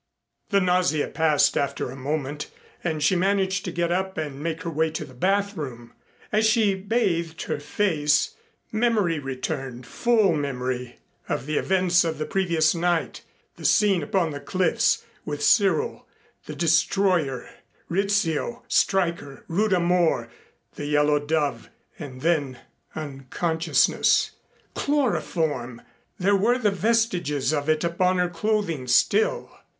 The nausea passed after a moment and she managed to get up and make her way to the bathroom. As she bathed her face, memory returned, full memory of the events of the previous night, the scene upon the cliffs, with Cyril, the destroyer, Rizzio, Stryker, Rudha Mor, the Yellow Dove and then unconsciousness. Chloroform! There were vestiges of it upon her clothing still.